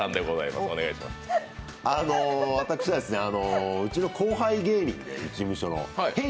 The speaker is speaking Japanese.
私はうちの後輩芸人でＨＥＹ！